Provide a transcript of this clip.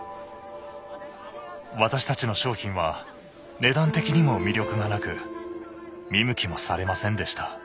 私たちの商品は値段的にも魅力がなく見向きもされませんでした。